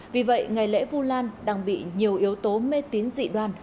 vì vậy ngày lễ vu lan đang bị nhiều yếu tố mê tín dị đoan